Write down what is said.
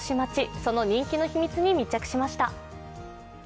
その人気の秘密に密着しました。